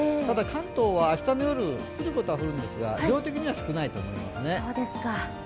ただ、関東は明日の夜降ることは降るんですが量的には少ないと思います。